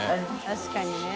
確かにね。